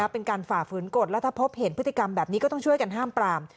ฝ่าฝืนกฎแล้วถ้าพบเห็นพฤติกรรมแบบนี้ก็ต้องช่วยกันห้ามปราม